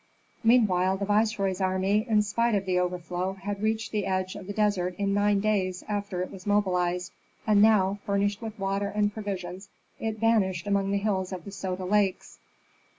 Meanwhile the viceroy's army, in spite of the overflow, had reached the edge of the desert in nine days after it was mobilized, and now, furnished with water and provisions, it vanished among the hills of the Soda Lakes.